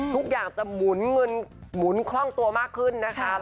ทุกอย่างจะหมุนคล่องตัวมากขึ้นนะคะ